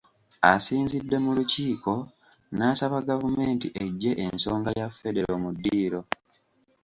Asinzidde mu Lukiiko, n'asaba gavumenti eggye ensonga ya Federo mu ddiiro